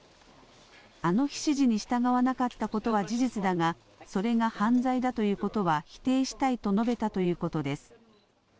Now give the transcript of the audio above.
あの日、指示に従わなかったことは事実だが、それが犯罪だということは否定したいと述べたということです。